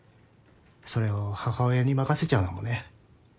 それを母親に任せちゃうのもね。